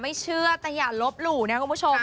ไม่เชื่อแต่อย่าลบหลู่นะคุณผู้ชม